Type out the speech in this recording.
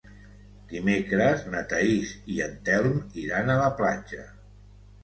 Dimecres na Thaís i en Telm iran a la platja.